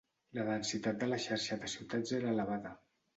La densitat de la xarxa de ciutats era elevada.